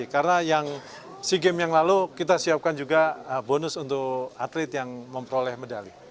karena yang sea games yang lalu kita siapkan juga bonus untuk atlet yang memperoleh medali